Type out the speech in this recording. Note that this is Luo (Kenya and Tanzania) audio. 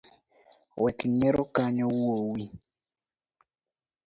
Wek nyiero kanyo wuoi.